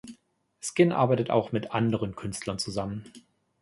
Skin arbeitet auch mit anderen Künstlern zusammen.